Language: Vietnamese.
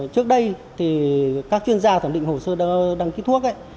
trước đây thì các chuyên gia thẩm định hồ sơ đăng ký thuốc ấy